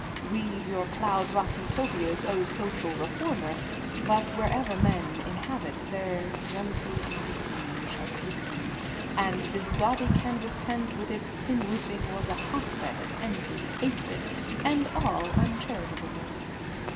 Weave your cloud wrought Utopias, O social reformer, but wherever men inhabit, there jealousy and disunion shall creep in, and this gaudy canvas tent with its tin roofing was a hotbed of envy, hatred, and all uncharitableness.